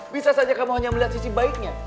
bisa saja kamu hanya melihat sisi baiknya